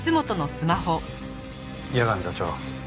矢上課長。